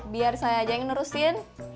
biar saya aja yang nurusin